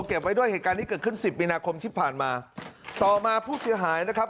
เก็บไว้ด้วยเหตุการณ์นี้เกิดขึ้นสิบมีนาคมที่ผ่านมาต่อมาผู้เสียหายนะครับ